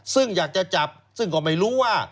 ซึ่งอยากจะจับซึ่งก็ไม่รู้ว่า